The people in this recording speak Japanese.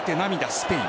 スペイン。